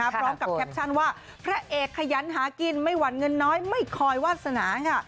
พร้อมกับแคปชั่นว่าพระเอกขยันหากินไม่หวั่นเงินน้อยไม่คอยวาสนาค่ะ